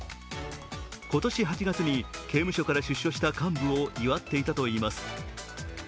今年８月に、刑務所から出所した幹部を祝っていたといいます。